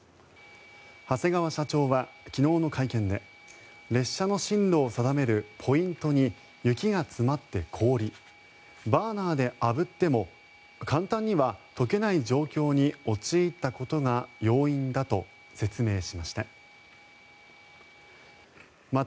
長谷川社長は昨日の会見で列車の進路を定めるポイントに雪が詰まって凍りバーナーであぶっても簡単には溶けない状況に陥ったことが要因だと説明しました。